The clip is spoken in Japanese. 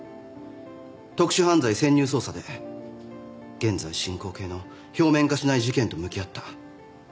特殊犯罪潜入捜査で現在進行形の表面化しない事件と向き合った。